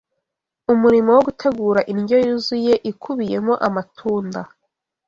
Umurimo wo gutegura indyo yuzuye ikubiyemo amatunda